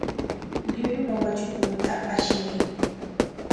Llullupa watrakunta ashimuy.